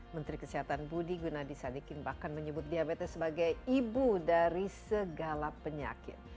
menteri kesehatan budi gunadisadikin bahkan menyebut diabetes sebagai ibu dari segala penyakit